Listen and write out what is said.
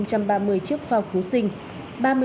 ba ba mươi chiếc phao cứu sinh